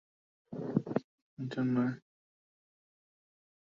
হত্যার প্রতিবাদ মানে জ্বালাও-পোড়াও, সড়ক-রেল অবরোধ এবং প্রতিষ্ঠান ভাঙচুর করা নয়।